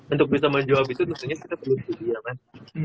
untuk bisa menjawab itu tentunya kita perlu sedia kan